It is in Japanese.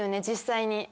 実際に。